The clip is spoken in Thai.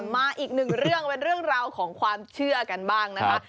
มาอีกหนึ่งเรื่องเป็นเรื่องราวของความเชื่อกันบ้างนะคะ